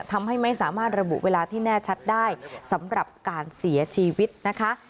ทำให้ไม่สามารถระบุเวลาที่แน่ชัดได้สำหรับการเสียชีวิตนะคะ